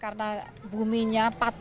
karena buminya patah hanya